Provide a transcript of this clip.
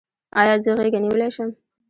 ایا زه غیږه نیولی شم؟